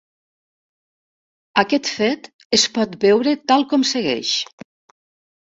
Aquest fet es pot veure tal com segueix.